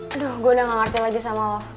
aduh gue udah gak ngerti lagi sama allah